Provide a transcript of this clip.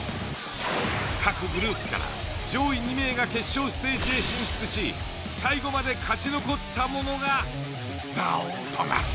各グループから上位２名が決勝ステージへ進出し最後まで勝ち残った者が座王となる。